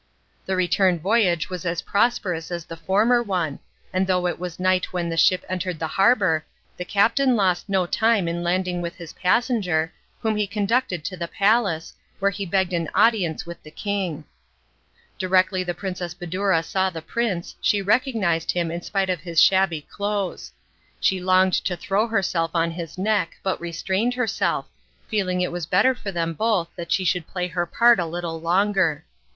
The return voyage was as prosperous as the former one, and though it was night when the ship entered the harbour, the captain lost no time in landing with his passenger, whom he conducted to the palace, where he begged an audience with the king. Directly the Princess Badoura saw the prince she recognised him in spite of his shabby clothes. She longed to throw herself on his neck, but restrained herself, feeling it was better for them both that she should play her part a little longer.